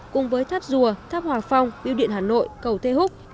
cùng với tháp rùa tháp hòa phong biêu điện hà nội cầu thế húc